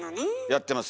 やってます